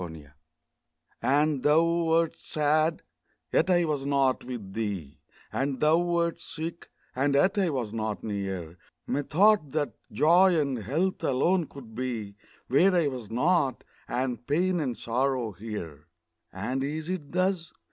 And thou wert sad yet I was not with thee; And thou wert sick, and yet I was not near; Methought that Joy and Health alone could be Where I was not and pain and sorrow here! And is it thus?